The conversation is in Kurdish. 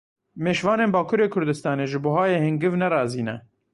Mêşvanên Bakurê Kurdisanê ji buhayê hingiv ne razî ne.